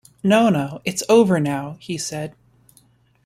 ‘No, no — it’s over now,’ he said.